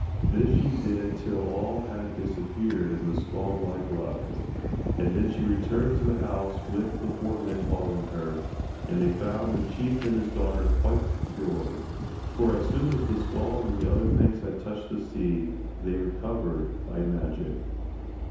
This she did till all had disappeared and the skull likewise, and then she returned to the house with the four men following her, and they found the chief and his daughter quite cured, for as soon as the skull and the other things had touched the sea, they recovered by magic.